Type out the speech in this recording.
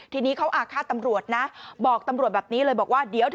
ทีนี้เขาอาคารตำรวจนะบอกตำรวจแบบนี้